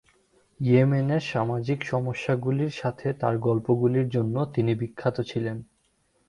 ইয়েমেনের সামাজিক সমস্যাগুলির সাথে তার গল্পগুলির জন্য তিনি বিখ্যাত ছিলেন।